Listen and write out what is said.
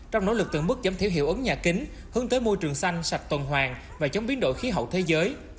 trong nỗ lực từng bước giảm thiểu hiệu ứng nhà kính hướng tới môi trường xanh sạch tuần hoàng và chống biến đổi khí hậu thế giới